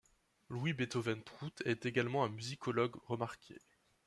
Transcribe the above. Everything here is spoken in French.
Louis Beethoven Prout est également un musicologue remarqué.